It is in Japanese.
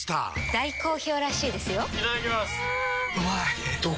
大好評らしいですよんうまい！